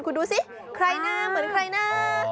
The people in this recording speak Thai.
คุณดูสิใครหน้าเหมือนใครนะ